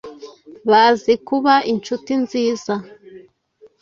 bazi kuba incuti nziza,